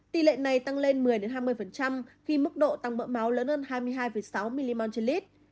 tỷ lệ này tăng lên một mươi hai mươi khi mức độ tăng mỡ máu lớn hơn hai mươi hai sáu mm trên lít